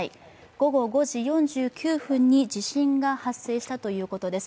午後５時４９分に地震が発生したということです。